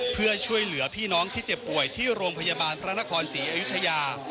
เพื่อช่วยเหลือพี่น้องที่เจ็บป่วยที่โรงพยาบาลพระนครศรีอยุธยา